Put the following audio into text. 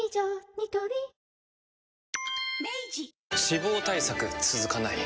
ニトリ脂肪対策続かない